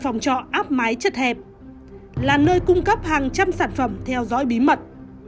phòng trọ áp máy chật hẹp là nơi cung cấp hàng trăm sản phẩm theo dõi bí mật